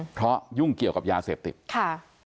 เพราะยุ่งเกี่ยวกับยาเสพติดค่ะ